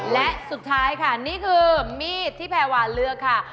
และสุดท้ายค่ะนี่คือมีดที่แพรวาเลือกค่ะ